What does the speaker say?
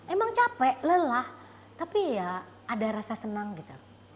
emang capek lelah tapi ya ada rasa senang gitu